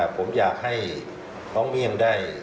ผมอยากให้น้องเมี่ยงได้